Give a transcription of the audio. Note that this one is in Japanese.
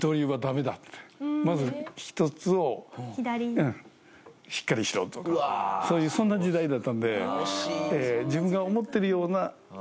まず１つをしっかりしろとかそういうそんな時代だったので。